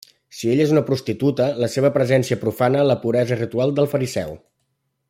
Si ella és una prostituta, la seva presència profana la puresa ritual del fariseu.